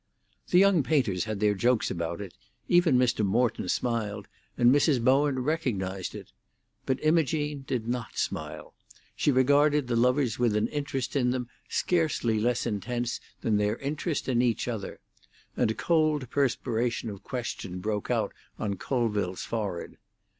The young painters had their jokes about it; even Mr. Morton smiled, and Mrs. Bowen recognised it. But Imogene did not smile; she regarded the lovers with an interest in them scarcely less intense than their interest in each other; and a cold perspiration of question broke out on Colville's forehead.